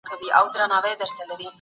د فاسد نظامونو تجزیه تل مهمه ده.